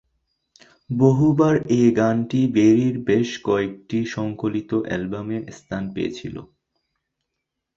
বহুবার এই গানটি বেরির বেশ কয়েকটি সংকলিত অ্যালবামে স্থান পেয়েছিল।